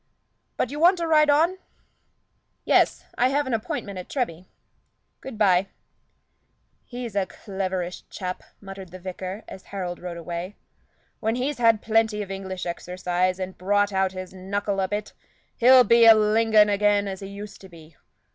But you want to ride on?" "Yes; I have an appointment at Treby. Good bye." "He's a cleverish chap," muttered the vicar, as Harold rode away. "When he's had plenty of English exercise, and brought out his knuckle a bit, he'll be a Lingon again as he used to be.